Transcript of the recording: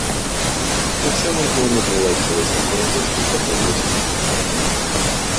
Таксама адмоўна ўплываюць цялесныя перагрузкі і хаджэнне ў цесным абутку.